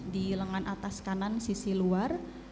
di lengan atas kanan sisi luar